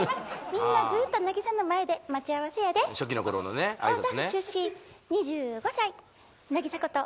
みんなずーっとなぎさの前で待ち合わせやで大阪府出身２５歳なぎさこと